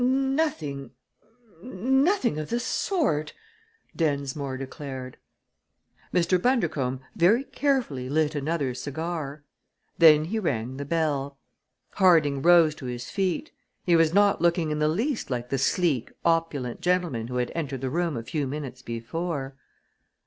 "Nothing nothing of the sort!" Densmore declared. Mr. Bundercombe very carefully lit another cigar. Then he rang the bell. Harding rose to his feet. He was not looking in the least like the sleek, opulent gentleman who had entered the room a few minutes before.